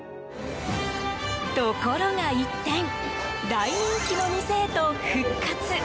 ところが一転大人気の店へと復活。